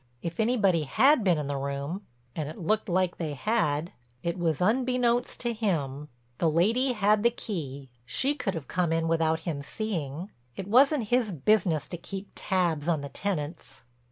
If anybody had been in the room—and it looked like they had—it was unbeknownst to him. The lady had the key; she could have come in without him seeing; it wasn't his business to keep tab on the tenants.